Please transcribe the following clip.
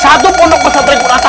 satu pondok besar dari kurasa